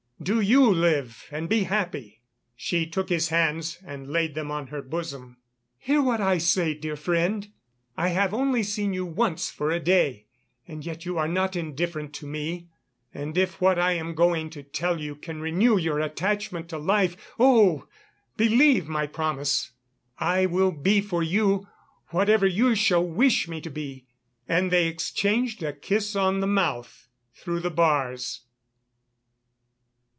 Do you live and be happy." She took his hands and laid them on her bosom: "Hear what I say, dear friend.... I have only seen you once for a day, and yet you are not indifferent to me. And if what I am going to tell you can renew your attachment to life, oh! believe my promise, I will be for you ... whatever you shall wish me to be." And they exchanged a kiss on the mouth through the bars.